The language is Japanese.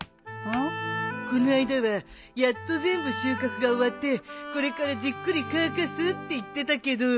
こないだはやっと全部収穫が終わってこれからじっくり乾かすって言ってたけど。